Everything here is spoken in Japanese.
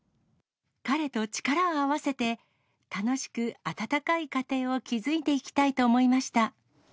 彼と力を合わせて、楽しく温かい家庭を築いていきたいと思いました。